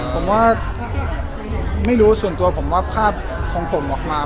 ผมว่าไม่รู้ส่วนตัวผมว่าภาพของผมออกมา